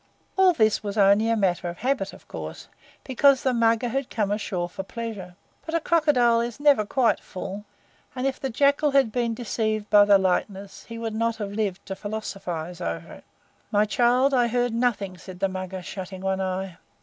All this was only a matter of habit, of course, because the Mugger had come ashore for pleasure; but a crocodile is never quite full, and if the Jackal had been deceived by the likeness he would not have lived to philosophise over it. "My child, I heard nothing," said the Mugger, shutting one eye.